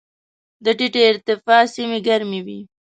د ټیټې ارتفاع سیمې ګرمې وي.